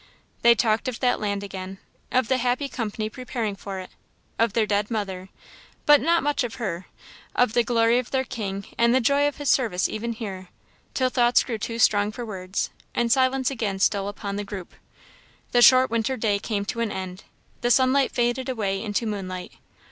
They talked of that land again, of the happy company preparing for it; of their dead mother, but not much of her; of the glory of their King, and the joy of his service even here till thoughts grew too strong for words, and silence again stole upon the group. The short winter day came to an end; the sunlight faded away into moonlight.